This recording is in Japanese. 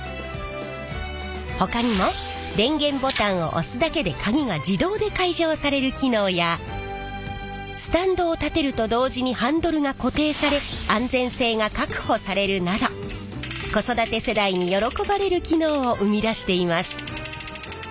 ほかにも電源ボタンを押すだけで鍵が自動で開錠される機能やスタンドを立てると同時にハンドルが固定され安全性が確保されるなど子育て世代に喜ばれる機能を生み出しています。